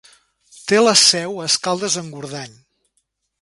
Té la seu a Escaldes-Engordany.